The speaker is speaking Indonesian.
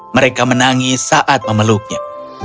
mereka menangis saat memeluknya